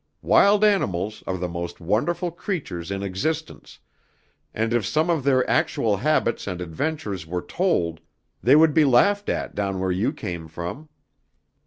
Wild animals are the most wonderful creatures in existence, and if some of their actual habits and adventures were told they would be laughed at down where you came from.